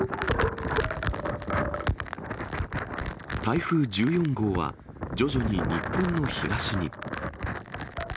台風１４号は、徐々に日本の東に。